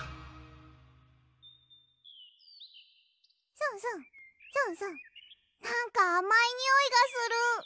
スンスンスンスンなんかあまいにおいがする。